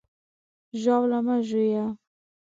ژاوله مه ژویه!